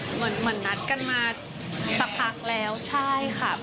เหมือนนัดกันมาสักพักแล้วใช่ค่ะ